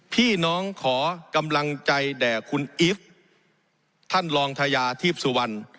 พี่น้องขอกำลังใจแด่คุณอีฟท่านรองทยาทีพสุวรรณ